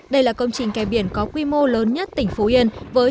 đây là công trình kẻ biển có quy mô lớn nhất tp tuy hòa